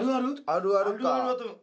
あるあるか。